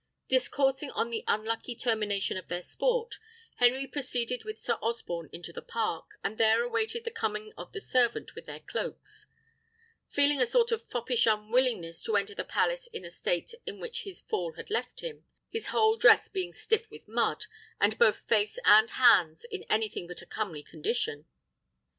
Discoursing on the unlucky termination of their sport, Henry proceeded with Sir Osborne into the park, and there awaited the coming of the servant with their cloaks; feeling a sort of foppish unwillingness to enter the palace in the state in which his fall had left him, his whole dress being stiff with mud, and both face and hands in anything but a comely condition.